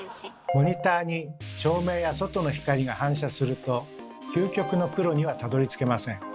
モニターに照明や外の光が反射すると「究極の黒」にはたどりつけません。